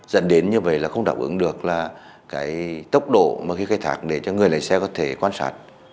dẫn đến như vậy là không đáp ứng được là cái tốc độ mà khi khai thác để cho người lấy xe có thể quan sát